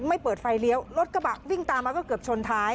เปิดไฟเลี้ยวรถกระบะวิ่งตามมาก็เกือบชนท้าย